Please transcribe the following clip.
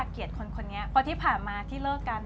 เกียรติคนนี้เพราะที่ผ่านมาที่เลิกกัน